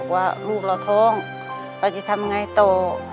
ว่าลูกเราท้องเราจะทำไงต่อ